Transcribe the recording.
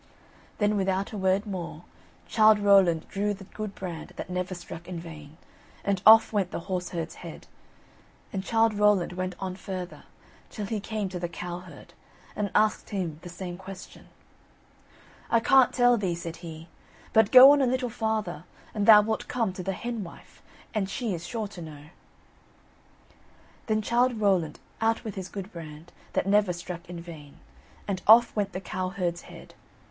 Then, without a word more, Childe Rowland drew the good brand that never struck in vain, and off went the horse herd's head, and Childe Rowland went on further, till he came to the cow herd, and asked him the same question. "I can't tell thee," said he, "but go on a little farther, and thou wilt come to the hen wife, and she is sure to know." Then Childe Rowland out with his good brand, that never struck in vain, and off went the cow herd's head.